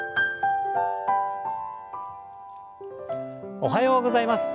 おはようございます。